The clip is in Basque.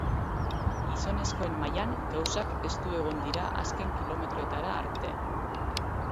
Gizonezkoen mailan, gauzak estu egon dira azken kilometroetara arte.